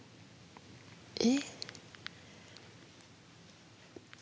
え。